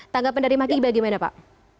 tanggapan dari maki bagaimana pak